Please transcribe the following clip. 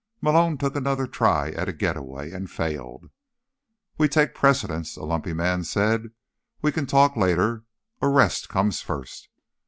Malone took another try at a getaway, and failed. "We take precedence," a lumpy man said. "We can talk later. Arrest comes first."